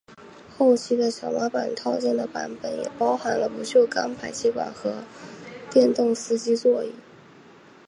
后期的小马版套件的版本也包含了不锈钢排气管和电动司机座椅。